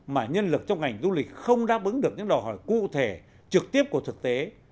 mà nhân lực trong ngành du lịch không đáp ứng được những đòi hỏi cụ thể trực tiếp của thực tế